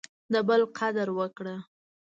د بل قدر وکړه.